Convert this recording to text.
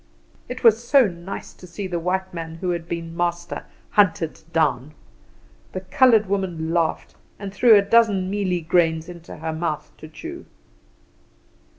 It was so nice to see the white man who had been master hunted down. The coloured woman laughed, and threw a dozen mealie grains into her mouth to chew.